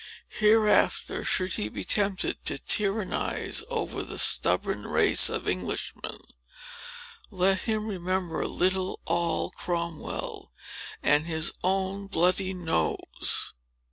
Hereafter, should he be tempted to tyrannize over the stubborn race of Englishmen, let him remember little Noll Cromwell, and his own bloody nose!"